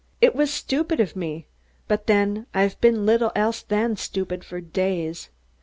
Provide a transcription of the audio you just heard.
It was stupid of me, but then, I've been little else than stupid for days.